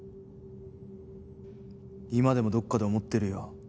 今でもどこかで思ってるよ。